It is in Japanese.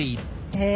へえ。